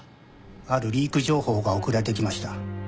あるリーク情報が送られてきました。